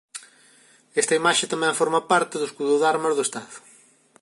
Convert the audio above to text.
Esta imaxe tamén forma parte do escudo de armas do Estado.